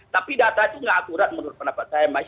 tapi data itu tidak akurat menurut pendapat saya mas